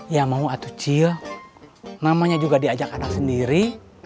ya mau atucil namanya juga diajak anak sendiri